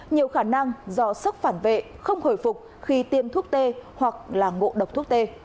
nhiều khả năng do sốc phản vệ không hồi phục khi tiêm thuốc t hoặc là ngộ độc thuốc tê